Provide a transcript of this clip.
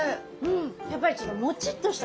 やっぱりちょっともちっとした。